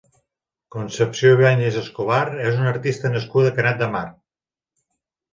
Concepció Ibáñez Escobar és una artista nascuda a Canet de Mar.